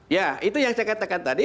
ya itu yang saya katakan tadi